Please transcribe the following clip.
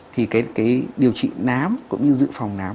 thì cái điều trị nám cũng như dự phòng nám